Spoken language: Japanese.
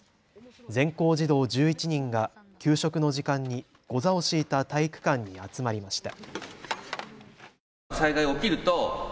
全校児童１１人が給食の時間にござを敷いた体育館に集まりました。